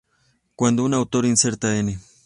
Cuando un autor inserta “n.